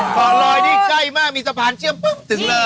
เกาะลอยนี่ใกล้มากมีสะพานเชื่อมปุ๊บถึงเลย